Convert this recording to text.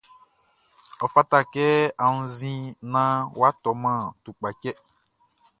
Ɔ fata kɛ a wunnzin naan wʼa tɔman tukpachtɛ.